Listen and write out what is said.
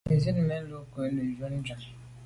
Zit mèn lo kô ne jun ju à.